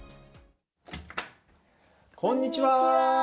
こんにちは。